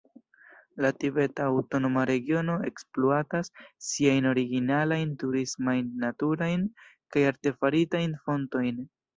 La Tibeta Aŭtonoma Regiono ekspluatas siajn originalajn turismajn naturajn kaj artefaritajn fontojn.